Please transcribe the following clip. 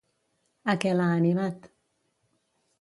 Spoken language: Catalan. A què l'ha animat?